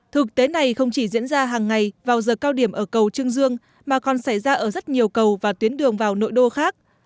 thực tế này không chỉ diễn ra hàng ngày vào giờ cao điểm ở cầu trương dương mà còn xảy ra ở rất nhiều cầu và tuyến đường vào nội đô khác